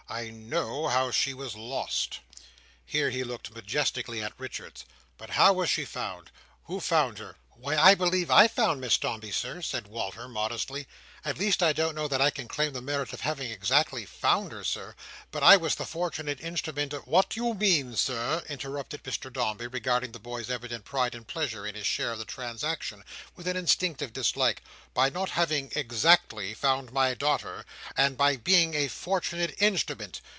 I know how she was lost." Here he looked majestically at Richards. "But how was she found? Who found her?" "Why, I believe I found Miss Dombey, Sir," said Walter modestly, "at least I don't know that I can claim the merit of having exactly found her, Sir, but I was the fortunate instrument of—" "What do you mean, Sir," interrupted Mr Dombey, regarding the boy's evident pride and pleasure in his share of the transaction with an instinctive dislike, "by not having exactly found my daughter, and by being a fortunate instrument?